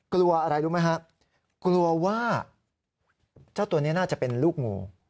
กลัวอะไรรู้ไหมครับกลัวว่าเจ้าตัวนี้น่าจะเป็นลูกงู